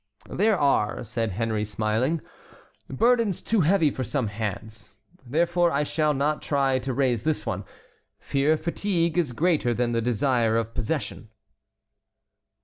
"There are," said Henry, smiling, "burdens too heavy for some hands; therefore I shall not try to raise this one; fear of fatigue is greater than the desire of possession."